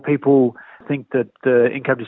pendidikan adalah tidak adil